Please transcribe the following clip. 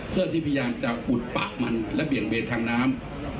เพื่อที่พยายามจะอุดปะมันและเบี่ยงเบนทางน้ำ